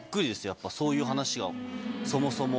やっぱそういう話がそもそも。